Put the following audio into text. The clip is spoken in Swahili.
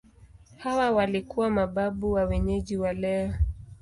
Hawa walikuwa mababu wa wenyeji wa leo.